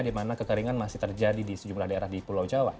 di mana kekeringan masih terjadi di sejumlah daerah di pulau jawa